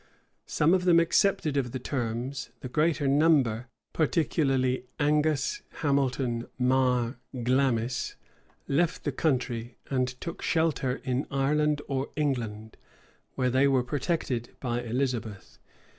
Some of them accepted of the terms; the greater number, particularly Angus, Hamilton, Marre, Glamis, left the country, and took shelter in Ireland or England, where they were protected by Elizabeth.